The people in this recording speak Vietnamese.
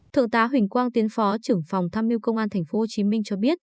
thượng tá huỳnh quang tiến phó trưởng phòng tham mưu công an tp hcm cho biết